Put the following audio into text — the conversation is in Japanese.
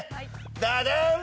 ダダン！